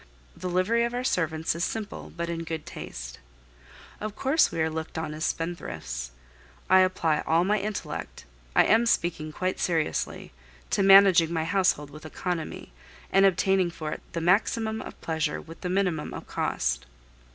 The livery of our servants is simple but in good taste. Of course we are looked on as spendthrifts. I apply all my intellect (I am speaking quite seriously) to managing my household with economy, and obtaining for it the maximum of pleasure with the minimum of cost.